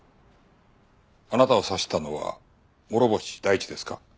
あなたを刺したのは諸星大地ですか？